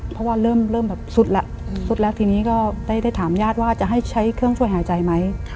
เพราะว่าเริ่มแบบสุดแล้วสุดแล้วทีนี้ก็ได้ถามญาติว่าจะให้ใช้เครื่องช่วยหายใจไหม